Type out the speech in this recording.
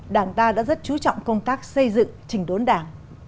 đảng ta đã rất chú trọng công tác xây dựng trình đốn đảng